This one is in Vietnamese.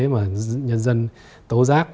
mà nhân dân tố giác